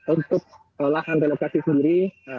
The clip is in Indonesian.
untuk lahan relokasi sendiri